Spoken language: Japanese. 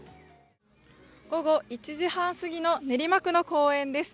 午後１時半すぎの練馬区の公園です。